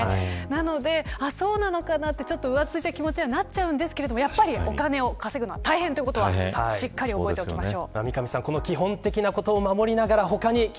なので、そうなのかなって浮ついた気持ちにはなっちゃうんですけれどもやっぱりお金を稼ぐのは大変ということはしっかり覚えておきましょう。